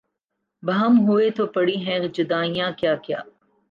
بہم ہوئے تو پڑی ہیں جدائیاں کیا کیا